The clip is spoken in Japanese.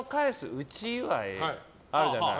内祝いあるじゃない。